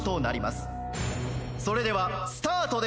それではスタートです。